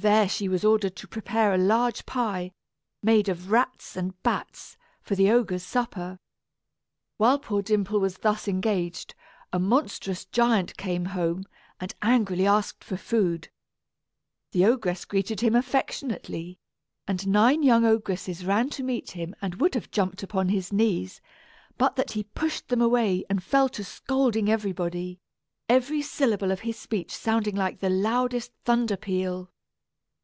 There she was ordered to prepare a large pie, made of rats and bats, for the ogre's supper. While poor Dimple was thus engaged, a monstrous giant came home, and angrily asked for food. The ogress greeted him affectionately, and nine young ogresses ran to meet him and would have jumped upon his knees, but that he pushed them away and fell to scolding everybody, every syllable of his speech sounding like the loudest thunder peal.